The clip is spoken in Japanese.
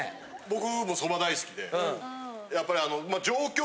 僕もそば大好きでやっぱりあの。